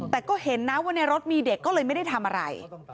แต่ก็เห็นนะว่าในรถมีเด็กก็เลยไม่ได้ทำอะไร